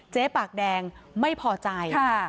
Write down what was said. เจ๊ปากแดงไม่พอจ่าย